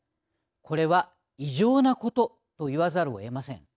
これは異常なことといわざるをえません。